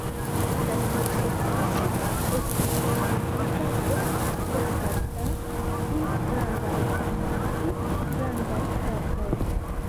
La tersurfaco estas kovrita de kelke da pli grandaj aŭ malpli grandaj platoj.